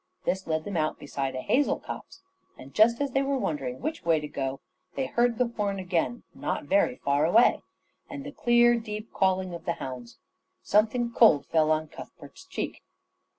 This led them out beside a hazel copse, and just as they were wondering which way to go they heard the horn again, not very far away, and the clear, deep calling of the hounds. Something cold fell on Cuthbert's cheek.